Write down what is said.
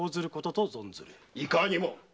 いかにも！